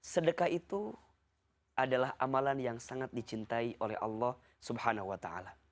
sedekah itu adalah amalan yang sangat dicintai oleh allah swt